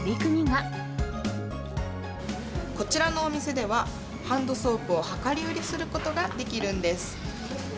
こちらのお店では、ハンドソープを量り売りすることができるんです。